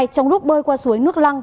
trong lúc bơi qua suối nước lăng